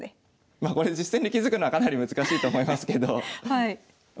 まあこれ実戦で気付くのはかなり難しいと思いますけどま